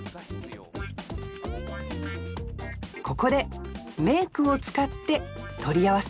ここで名句を使って取り合わせ？